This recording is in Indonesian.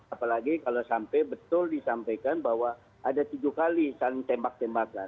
apalagi kalau sampai betul disampaikan bahwa ada tujuh kali saling tembak tembakan